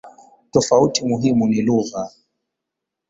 Tofauti muhimu ni lugha.